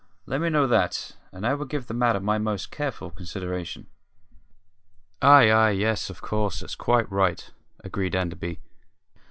Let me know that, and I will give the matter my most careful consideration." "Ay, ay, yes, of course; that's quite right," agreed Enderby.